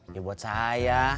ya buat saya